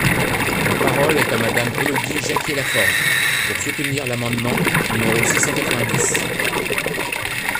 La parole est à Madame Élodie Jacquier-Laforge, pour soutenir l’amendement numéro six cent quatre-vingt-dix.